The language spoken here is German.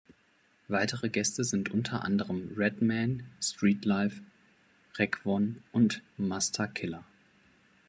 Weitere Gäste sind unter anderem Redman, Streetlife, Raekwon und Masta Killa.